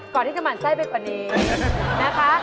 ก่อนที่จะหมั่นไส้ไปกว่านี้นะคะ